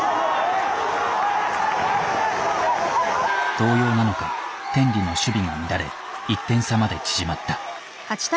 動揺なのか天理の守備が乱れ１点差まで縮まった。